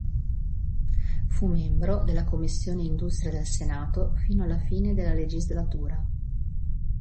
Fu membro della Commissione Industria del Senato fino alla fine della legislatura.